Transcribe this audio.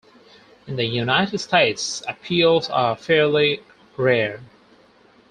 In the United States, appeals are fairly rare.